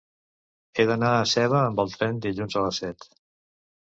He d'anar a Seva amb tren dilluns a les set.